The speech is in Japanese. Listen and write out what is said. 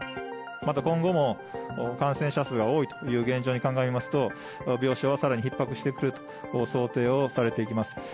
また今後も、感染者数が多いという現状に鑑みますと、病床はさらにひっ迫してくると想定をされてきます。